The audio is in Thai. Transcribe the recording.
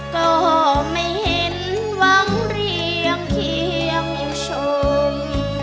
ก็ไม่เห็นหวังเรียงเคียงชม